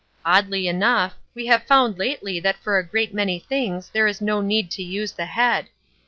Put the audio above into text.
Oddly enough, we have found lately that for a great many things there is no need to use the head.